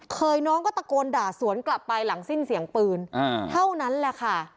น้องก็ตะโกนด่าสวนกลับไปหลังสิ้นเสียงปืนเท่านั้นแหละค่ะ